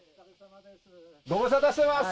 ご無沙汰してます。